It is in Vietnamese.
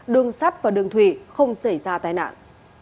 đường sắt và đường thủy không xảy ra tai nạn